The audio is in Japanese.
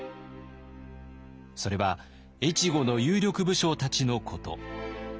それは越後の有力武将たちのこと。